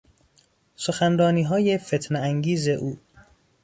سخنرانیهای فتنهانگیز او